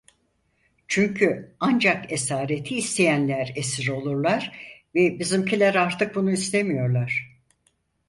Çünkü ancak esareti isteyenler esir olurlar ve bizimkiler artık bunu istemiyorlar.